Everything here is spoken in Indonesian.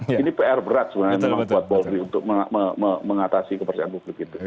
ini pr berat sebenarnya memang buat polri untuk mengatasi kepercayaan publik itu